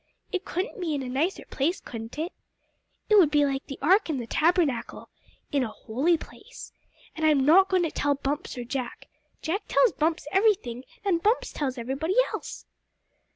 It couldn't be in a nicer place, could it? It would be like the ark in the tabernacle in a holy place. And I'm not going to tell Bumps or Jack. Jack tells Bumps everything, and Bumps tells everybody else!"